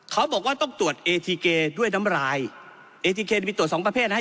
เขาบอกว่าต้องตรวจเอทีเกย์ด้วยน้ำรายเอทีเคมีตรวจสองประเภทนะฮะ